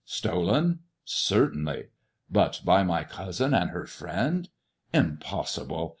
Stolen 1 Certainly. But by my cousin and her friend] Impossible!